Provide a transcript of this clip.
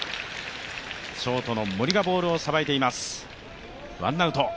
ショートの森がボールをさばいています。